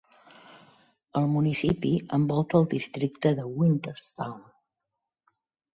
El municipi envolta el districte de Winterstown.